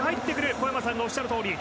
小山さんのおっしゃるとおり。